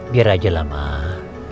biar aja lah mah